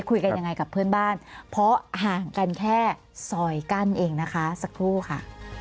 คุยกันยังไงกับเพื่อนบ้านเพราะห่างกันแค่ซอยกั้นเองนะคะสักครู่ค่ะ